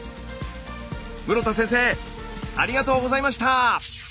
室田先生ありがとうございました。